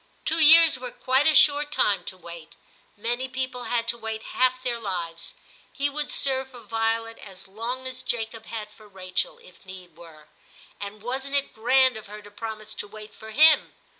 *Two years were quite a short time to wait ; many people had to wait half their lives. He would serve for Violet as long as Jacob had for Rachel, if need were ; and wasn't it grand of her to promise to wait for him